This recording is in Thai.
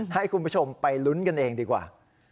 ให้คุณผู้ชมไปลุ้นกันเองดีกว่า